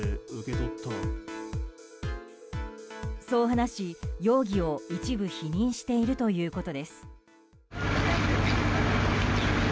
そう話し、容疑を一部否認しているということです。